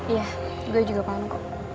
iya gue juga pengen kok